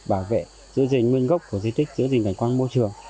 bảo vệ giữ gìn nguyên gốc của di tích giữ gìn cảnh quan môi trường